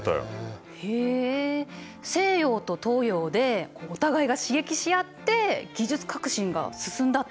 西洋と東洋でお互いが刺激し合って技術革新が進んだってことなんですね。